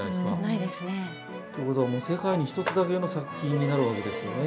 ないですね。ということは世界にひとつだけの作品になるわけですよね。